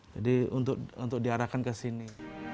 jadi untuk diarahkan ke sini